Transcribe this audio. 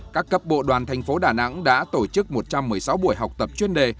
các cấp bộ đoàn thành phố đà nẵng đã tổ chức một trăm một mươi sáu buổi học tập chuyên đề